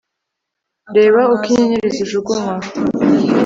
Reba uko inyenyeri zijugunywa